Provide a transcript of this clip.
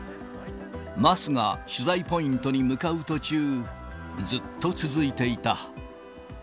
桝が取材ポイントに向かう途中、ずっと続いていた。